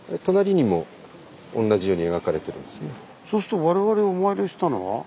そうすると我々お参りしたのは。